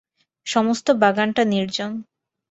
সমস্ত বাগানটা নির্জন।